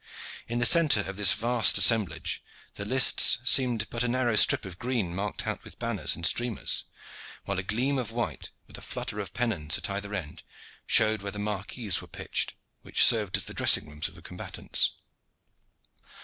In the centre of this vast assemblage the lists seemed but a narrow strip of green marked out with banners and streamers, while a gleam of white with a flutter of pennons at either end showed where the marquees were pitched which served as the dressing rooms of the combatants.